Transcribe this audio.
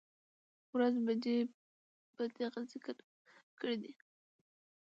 ،ورځ، بجې په کې ذکر کړى دي